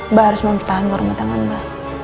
mba harus mempertahankan rumah tangga mba